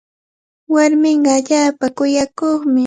Warminqa allaapa kuyakuqmi.